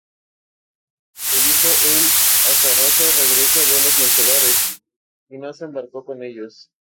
Predijo el azaroso regreso de los vencedores, y no se embarcó con ellos.